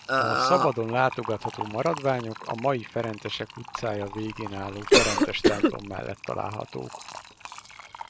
A szabadon látogatható maradványok a mai Ferencesek utcája végén álló Ferences templom mellett találhatók.